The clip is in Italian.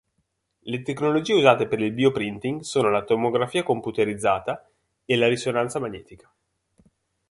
Le tecnologie usate per il bioprinting sono la tomografia computerizzata e la risonanza magnetica.